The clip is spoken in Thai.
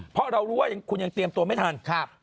เพราะเรารู้ว่าคุณยังเตรียมตัวไม่ทัน